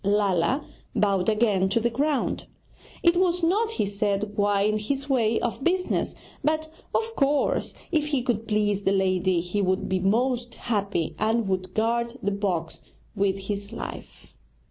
Lala bowed again to the ground. 'It was not,' he said, 'quite in his way of business; but of course, if he could please the lady, he would be most happy, and would guard the box with his life.'